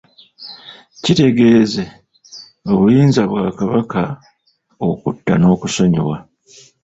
Kitegeeze obuyinza bwa Kabaka okutta n'okusonyiwa.